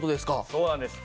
そうなんです。